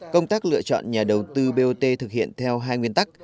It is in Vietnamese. công tác lựa chọn nhà đầu tư bot thực hiện theo hai nguyên tắc